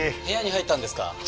部屋に入ったんですか？